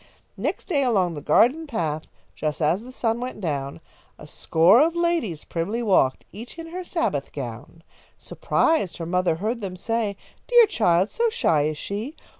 _" Next day along the garden path, Just as the sun went down, A score of ladies primly walked, Each in her Sabbath gown. Surprised, her mother heard them say, "Dear child! So shy is she!